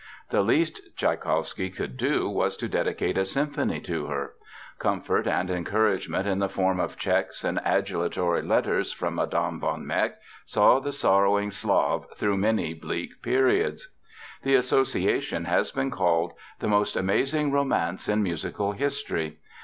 The least Tschaikowsky could do was to dedicate a symphony to her. Comfort and encouragement in the form of checks and adulatory letters from Mme. von Meck saw the sorrowing Slav through many bleak periods. The association has been called "the most amazing romance in musical history."